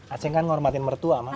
acing kan nghormatin mertua mah